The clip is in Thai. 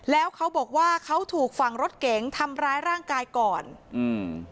แล้วเขาบอกว่าเขาถูกฝั่งรถเก๋งทำร้ายร่างกายก่อนอืม